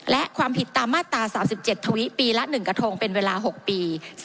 และความผิดตามมาตรา๓๗ทวิปีละ๑กระทงเป็นเวลา๖ปี